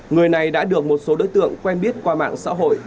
người này đã được một số đối tượng quen biết qua mạng xã hội